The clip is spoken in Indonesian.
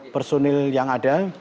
personil yang ada